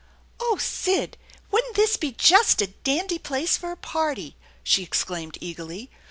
" Oh Sid, wouldn't this be just a dandy place for a party? " she exclaimed eagerly.